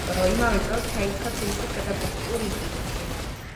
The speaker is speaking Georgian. იმავე წელს ჩაირიცხა თბილისის პედაგოგიკურ ინსტიტუტში.